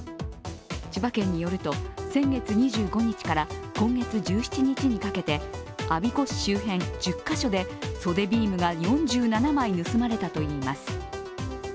千葉県によると、先月２５日から今月１７日にかけて我孫子市周辺１０カ所で袖ビームが４７枚盗まれたといいます。